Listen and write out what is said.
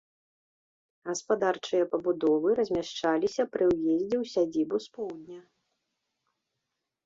Гаспадарчыя пабудовы размяшчаліся пры ўездзе ў сядзібу з поўдня.